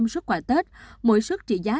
xuất quà tết mỗi xuất trị giá